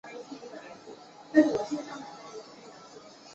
万有引力与静电力都遵守强版作用与反作用定律。